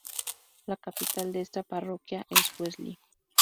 La capital de esta parroquia es Wesley.